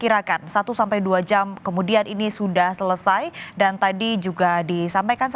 tadi saya bilang satu jam dua jam lagi mungkin insya allah sudah kita tertaskan